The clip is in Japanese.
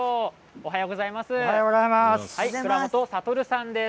おはようございます。